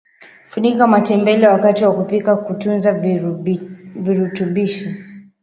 funika matembele wakati wa kupika kutunza virutubishi